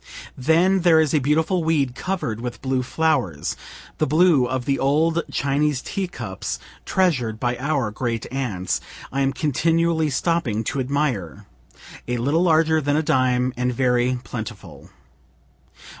Then there is a beautiful weed cover'd with blue flowers, (the blue of the old Chinese teacups treasur'd by our grand aunts,) I am continually stopping to admire a little larger than a dime, and very plentiful.